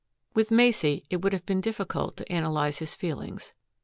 With Macey, it would have been difficult to analyze his feelings.